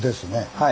はい。